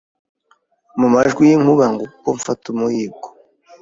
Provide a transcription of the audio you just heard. mu majwi yinkuba Nguko uko mfata umuhigo